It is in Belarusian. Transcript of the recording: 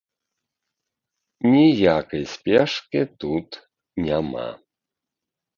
Ніякай спешкі тут няма.